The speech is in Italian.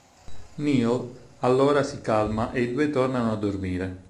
Neal allora si calma e i due tornano a dormire.